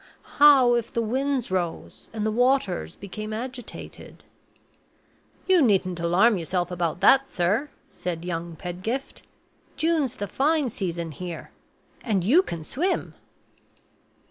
How if the winds rose and the waters became agitated?" "You needn't alarm yourself about that, sir," said young Pedgift; "June's the fine season here and you can swim."